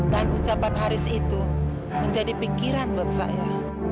dan ucapan haris itu menjadi pikiran buat saya